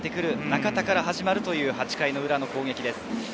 中田から始まる８回裏の攻撃です。